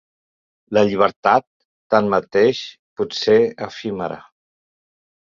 La llibertat, tanmateix, potser efímera.